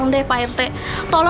masuk deh lo